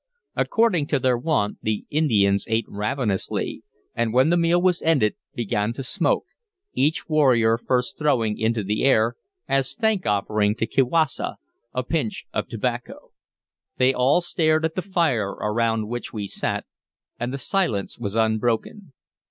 According to their wont the Indians ate ravenously, and when the meal was ended began to smoke, each warrior first throwing into the air, as thank offering to Kiwassa, a pinch of tobacco. They all stared at the fire around which we sat, and the silence was unbroken.